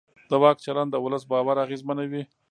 د واک چلند د ولس باور اغېزمنوي